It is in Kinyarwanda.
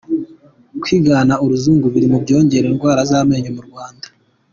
Kwigana uruzungu biri mu byongera indwara z’amenyo mu Rwanda